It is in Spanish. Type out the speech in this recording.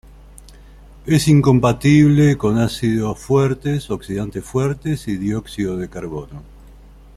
Es incompatible con ácidos fuertes, oxidantes fuertes y dióxido de carbono.